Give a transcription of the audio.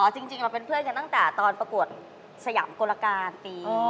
จริงเราเป็นเพื่อนกันตั้งแต่ตอนประกวดสยามกลการตี